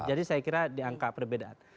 saya kira di angka perbedaan